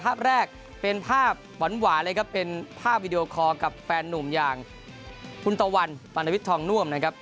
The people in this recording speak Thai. ภาพแรกเป็นภาพหวานเลยครับเป็นภาพวิดีโอคอร์กับแฟนนุ่มอย่างคุณตะวันปัณวิทย์ทองน่วมนะครับ